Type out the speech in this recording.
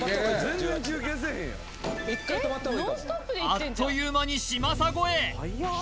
あっという間に嶋佐超え